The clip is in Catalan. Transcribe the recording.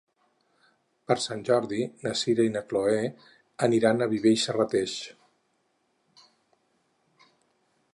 Per Sant Jordi na Sira i na Chloé aniran a Viver i Serrateix.